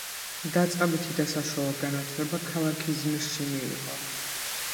დაწყებითი და საშუალო განათლება ქალაქ იზმირში მიიღო.